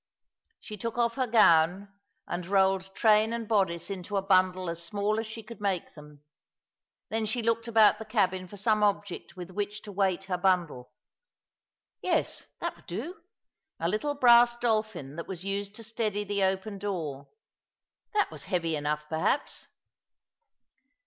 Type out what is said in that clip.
She took off her gown, and rolled train and bodice into a bundle as small as she could make them. Then she looked about the cabin for some object with which to weight her bundle. Yes, that would do. A little brass dolphin that was used to steady the open doer. That was heavy enough, perhaps.